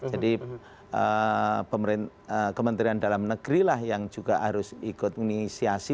jadi kementerian dalam negri lah yang juga harus ikut inisiasi